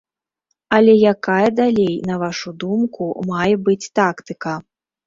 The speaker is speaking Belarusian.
Але якая далей, на вашу думку, мае быць тактыка?